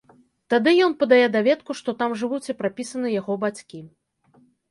Тады ён падае даведку, што там жывуць і прапісаны яго бацькі.